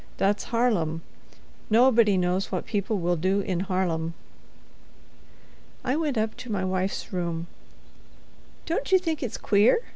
"That's Harlem. Nobody knows what people will do in Harlem." I went up to my wife's room. "Don't you think it's queer?"